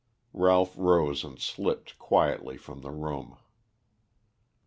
Ralph rose and slipped quietly from the room.